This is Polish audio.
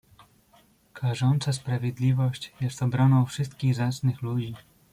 "Karząca sprawiedliwość jest obroną wszystkich zacnych ludzi."